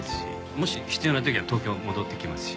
もし必要な時は東京戻ってきますし。